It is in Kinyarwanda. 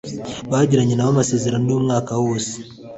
baragiranye na bo, amasezerano yumwaka wose